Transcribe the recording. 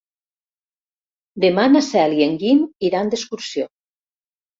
Demà na Cel i en Guim iran d'excursió.